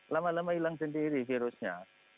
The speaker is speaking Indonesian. lama lama hilang sendiri virusnya